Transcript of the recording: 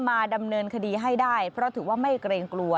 มาดำเนินคดีให้ได้เพราะถือว่าไม่เกรงกลัว